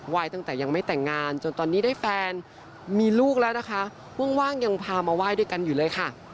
ยตั้งแต่ยังไม่แต่งงานจนตอนนี้ได้แฟนมีลูกแล้วนะคะว่างยังพามาไหว้ด้วยกันอยู่เลยค่ะ